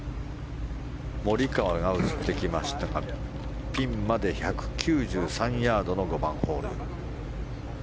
モリカワが映ってきましたがピンまで１９３ヤードの５番ホール。